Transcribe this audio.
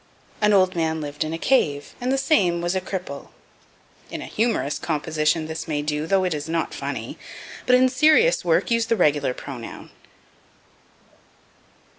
"An old man lived in a cave, and the same was a cripple." In humorous composition this may do, though it is not funny; but in serious work use the regular pronoun.